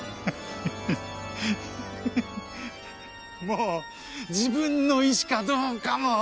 もう自分の意志かどうかも分からない。